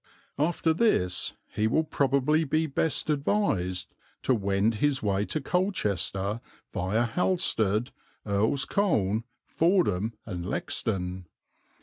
After this he will probably be best advised to wend his way to Colchester viâ Halstead, Earl's Colne, Fordham and Lexden.